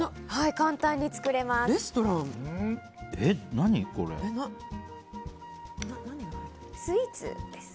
簡単に作れますよ。